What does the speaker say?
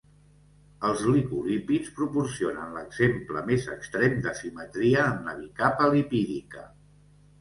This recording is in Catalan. Els glicolípids proporcionen l'exemple més extrem d'asimetria en la bicapa lipídica.